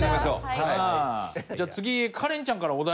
じゃあ次カレンちゃんからお題。